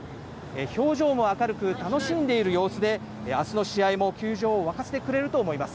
表情も明るく楽しんでいる様子で明日の試合も球場を沸かせてくれると思います。